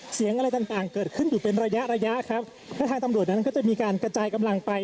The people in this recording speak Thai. เสียงอะไรต่างต่างเกิดขึ้นอยู่เป็นระยะระยะครับและทางตำรวจนั้นก็จะมีการกระจายกำลังไป